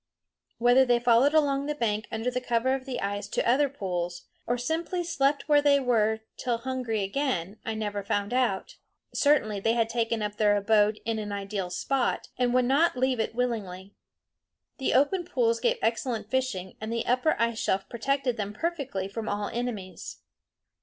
Whether they followed along the bank under cover of the ice to other pools, or simply slept where they were till hungry again, I never found out. Certainly they had taken up their abode in an ideal spot, and would not leave it willingly. The open pools gave excellent fishing, and the upper ice shelf protected them perfectly from all enemies.